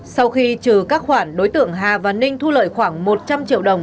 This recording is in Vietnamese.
sau khi trừ các khoản đối tượng hà văn ninh thu lợi khoảng một trăm linh triệu đồng